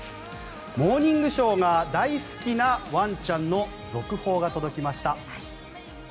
「モーニングショー」が大好きなワンちゃんの続報が届きました。